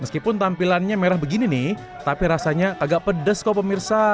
meskipun tampilannya merah begini nih tapi rasanya agak pedes kok pemirsa